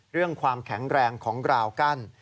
เรื่องความแข็งแรงของไฟเบอร์กัน